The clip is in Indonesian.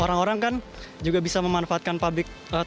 orang orang kan juga bisa memanfaatkan public transport